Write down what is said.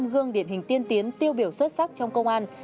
bảy mươi năm gương điển hình tiên tiến tiêu biểu xuất sắc trong công an